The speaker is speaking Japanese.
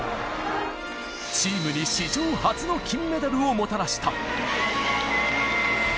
チームに史上初の金メダルをもたらした。